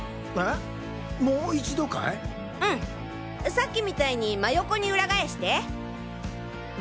さっきみたいに真横にウラ返して。